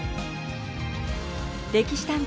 「歴史探偵」